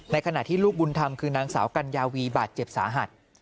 ขณะที่ลูกบุญธรรมคือนางสาวกัญญาวีบาดเจ็บสาหัส